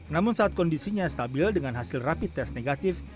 namun saat kondisinya stabil dengan hasil rapi tes negatif